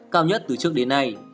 cao nhất từ trước đến nay